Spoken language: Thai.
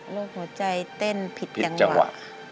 หัวใจเต้นผิดจังหวะ